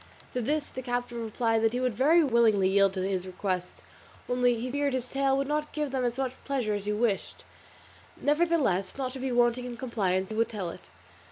To this the captive replied that he would very willingly yield to his request, only he feared his tale would not give them as much pleasure as he wished; nevertheless, not to be wanting in compliance, he would tell it.